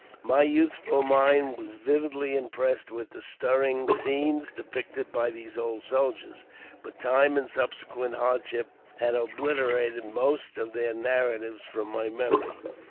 My youthful mind was vividly impressed with the stirring scenes depicted by those old soldiers ; but time and subsequent hardship have obliterated most of their narratives from my memory.